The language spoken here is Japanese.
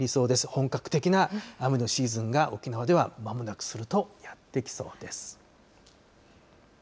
本格的な雨のシーズンが沖縄ではまもなくするとやって来そうです。